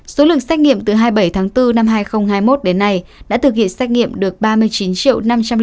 số lượng xét nghiệm từ hai mươi bảy tháng bốn năm hai nghìn hai mươi một đến nay đã thực hiện xét nghiệm được ba mươi chín năm trăm linh bảy ba trăm tám mươi mẫu